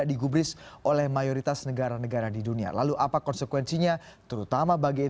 keputusan trump yang juga akan memindahkan kedutaan mereka ke yerusalem dan palestina